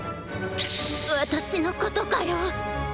私のことかよ！